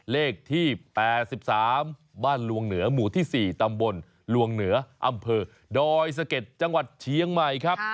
เลขที่๘๓บ้านลวงเหนือหมู่ที่๔ตำบลลวงเหนืออำเภอดอยสะเก็ดจังหวัดเชียงใหม่ครับ